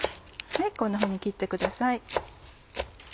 こんなふうに切ってください。